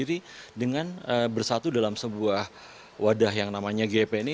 kita harus mempersesuaikan sendiri dengan bersatu dalam sebuah wadah yang namanya gpn ini